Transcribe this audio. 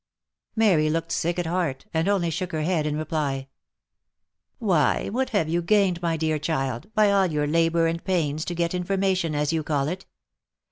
Mary looked sick at heart, and only shook her head in reply. " Why, what have you gained, my dear child, by all your labour and 220 THE LIFE AND ADVENTURES pains to get information, as you call it?